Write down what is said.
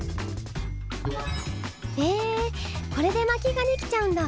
へぇこれで薪ができちゃうんだ！